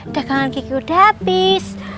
dekangan kiki udah habis